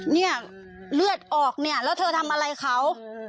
เนี่ยเลือดออกเนี่ยแล้วเธอทำอะไรเขา